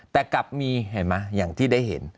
แต่กลับมีเห็นไหมอย่างที่ได้เห็น